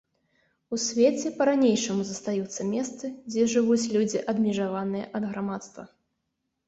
У свеце па-ранейшаму застаюцца месцы, дзе жывуць людзі, адмежаваныя ад грамадства.